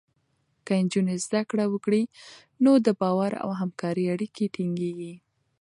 که نجونې زده کړه وکړي، نو د باور او همکارۍ اړیکې ټینګېږي.